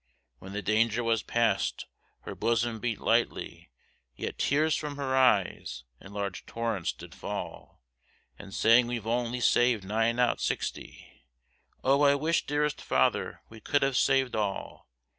When the danger was past her bosom beat lightly, Yet tears from her eyes in large torrents did fall, And saying we've only saved nine out sixty, Oh! I wish dearest father we could have saved all.